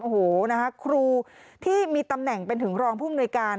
โอ้โหนะคะครูที่มีตำแหน่งเป็นถึงรองผู้มนุยการ